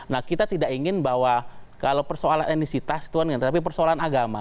nah kita tidak ingin bahwa kalau persoalan etnisitas tuan tapi persoalan agama